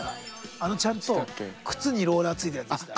あのちゃんと靴にローラーついてるやつでした？